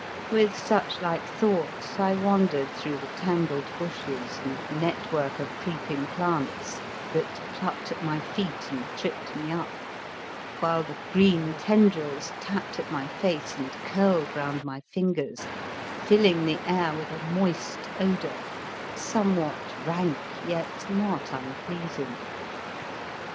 With such like thoughts I wandered through the tangled bushes and net work of creeping plants, that plucked at my feet and tripped me up, while the green tendrils tapped at my face and curled round my fingers, filling the air with a moist odour, somewhat rank, yet not unpleasing.